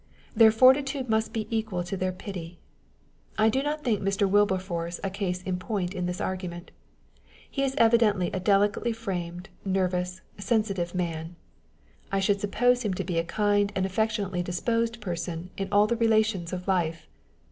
Their fortitude must be equal to their pity. I do not think Mr. Wilberforce a case in point in this argument. He is evidently a delicately framed, nervous, sensitive man. I should suppose him to be a kind and affectionately disposed person in all the relations of life.